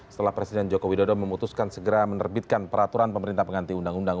setelah presiden joko widodo memutuskan segera menerbitkan peraturan pemerintah pengganti undang undang